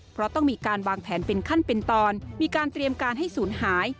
เพราะต้องมีการวางแผนเป็นขั้นเป็นตอนมีการเตรียมการให้ศูนย์หาย